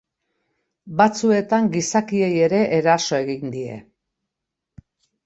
Batzuetan gizakiei ere eraso egin die.